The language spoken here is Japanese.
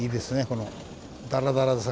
このダラダラ坂。